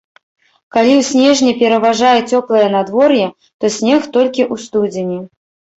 Калі ў снежні пераважае цёплае надвор'е, то снег толькі ў студзені.